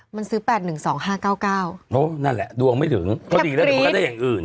มันซื้อ๘๑๒๕๙๙นั่นแหละดวงไม่ถึงก็ดีแล้วเดี๋ยวมันก็ได้อย่างอื่น